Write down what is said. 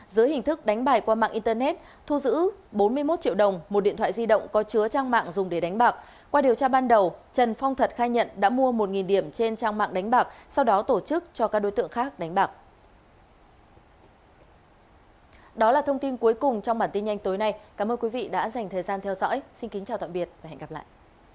xin kính chào tạm biệt và hẹn gặp lại